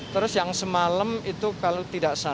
terus yang semalam itu kalau tidak salah